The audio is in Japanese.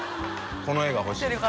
この絵がほしいの。